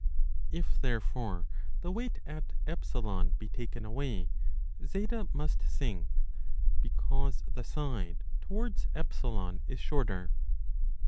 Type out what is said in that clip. If therefore the weight at E be taken away, Z must sink, because the side towards E is shorter.